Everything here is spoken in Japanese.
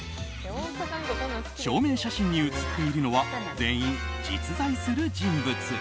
証明写真に写っているのは全員、実在する人物。